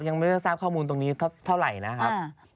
ยังไม่ได้ทราบข้อมูลตรงนี้เท่าไหร่นะครับ